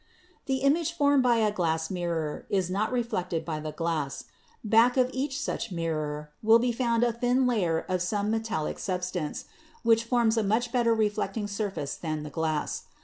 The image formed by a glass mirror is not reflected" by the glass. Back of every such mirror will be found" a thin layer of some metallic substance, which forms a REFLECTION AND REFRACTION 87 much better reflecting surface than the glass.